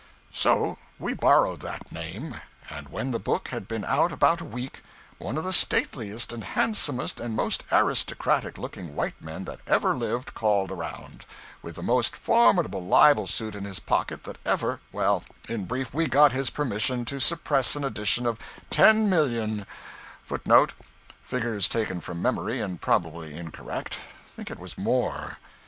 So we borrowed that name; and when the book had been out about a week, one of the stateliest and handsomest and most aristocratic looking white men that ever lived, called around, with the most formidable libel suit in his pocket that ever well, in brief, we got his permission to suppress an edition of ten million {footnote [Figures taken from memory, and probably incorrect. Think it was more.